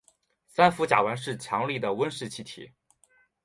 三氟甲烷是强力的温室气体。